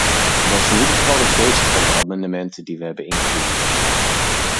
Dat is in ieder geval de geest van de amendementen die wij hebben ingediend.